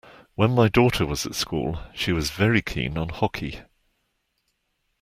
When my daughter was at school she was very keen on hockey